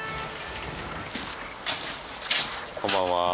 こんばんは。